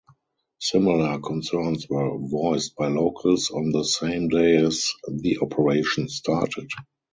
Similar concerns were voiced by locals on the same day as the operation started.